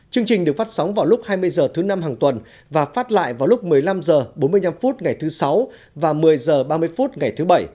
chương trình được phát sóng vào lúc hai mươi h thứ năm hàng tuần và phát lại vào lúc một mươi năm h bốn mươi năm ngày thứ sáu và một mươi h ba mươi phút ngày thứ bảy